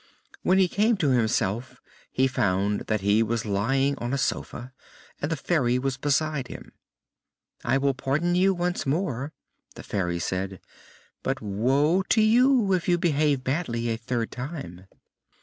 When he came to himself he found that he was lying on a sofa, and the Fairy was beside him. "I will pardon you once more," the Fairy said, "but woe to you if you behave badly a third time!"